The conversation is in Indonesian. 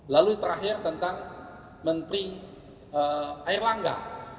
lalu terakhir tentang menteri air langga